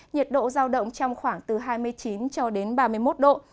nhiệt độ giao động trong khoảng từ hai mươi chín cho đến ba mươi một độ